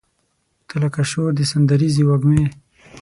تۀ لکه شور د سندریزې وږمې